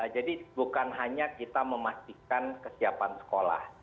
jadi bukan hanya kita memastikan kesiapan sekolah